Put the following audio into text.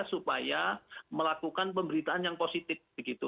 supaya melakukan pemberitaan yang positif begitu